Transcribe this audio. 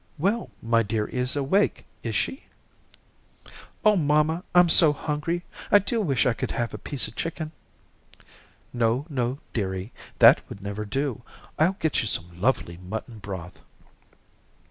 "Well, my dearie is awake, is she?" "Oh, mamma, I'm so hungry. I do wish I could have a piece of chicken." "No, no, dearie, that would never do. I'll get you some lovely mutton broth."